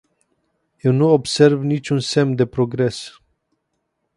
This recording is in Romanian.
Eu nu observ niciun semn de progres.